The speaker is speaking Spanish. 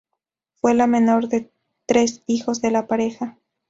Fue la menor de los tres hijos de la pareja.